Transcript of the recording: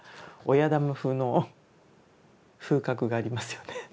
親玉風の風格がありますよね。